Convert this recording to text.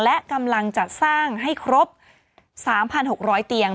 และกำลังจัดสร้างให้ครบ๓๖๐๐เตียง